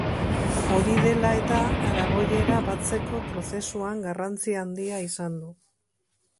Hori dela eta, aragoiera batzeko prozesuan garrantzi handia izan du.